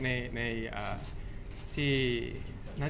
จากความไม่เข้าจันทร์ของผู้ใหญ่ของพ่อกับแม่